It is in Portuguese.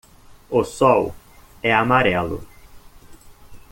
O sol é amarelo.